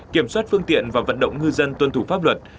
kiểm soát phương tiện và vận động ngư dân tuân thủ pháp luật